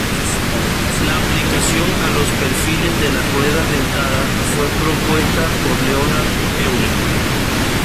La aplicación a los perfiles de las ruedas dentadas fue propuesta por Leonhard Euler.